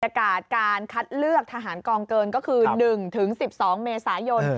อากาศการคัดเลือกทหารกองเกินก็คือ๑๑๒เมษายน